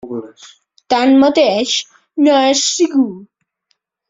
Tanmateix, no és segur.